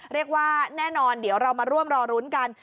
เรียกว่าแน่นอนเดี๋ยวเรามาร่วมรอรุ้นกัน